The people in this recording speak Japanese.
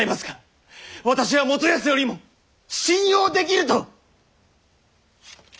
私は元康よりも信用できぬと！